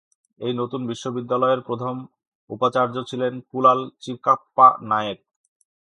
এই নতুন বিশ্ববিদ্যালয়ের প্রথম উপাচার্য ছিলেন কুলাল চিকাপ্পা নায়েক।